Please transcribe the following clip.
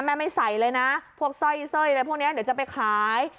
แม่ไม่ใส่เลยนะพวกเส้อยเลยพวกนี้เดี๋ยวจะไปขาย